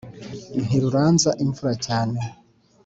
ntiruranza imvura cyane